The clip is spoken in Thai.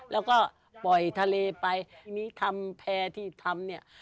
แล้วก็ปล่อยทะเลไปมีทำแพร่ที่ทำเนี่ย